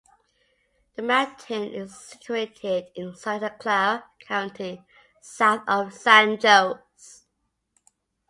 The mountain is situated in Santa Clara County, south of San Jose.